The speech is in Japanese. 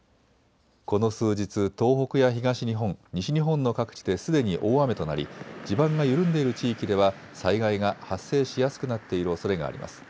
この数日、東北や東日本、西日本の各地ですでに大雨となり地盤が緩んでいる地域では災害が発生しやすくなっているおそれがあります。